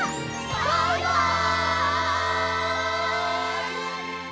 バイバイ！